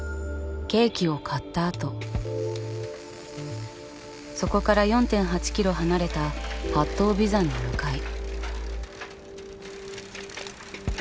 ケーキを買ったあとそこから４．８ｋｍ離れた八頭尾山に向かい。